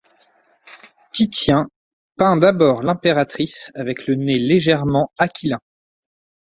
Titien peint d'abord l'impératrice avec le nez légèrement aquilin.